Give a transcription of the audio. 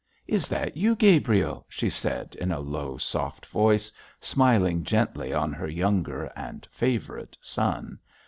'Is that you, Gabriel?' she said in a low, soft voice, smiling gently on her younger and favourite son.